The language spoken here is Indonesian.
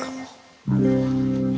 wah ini hp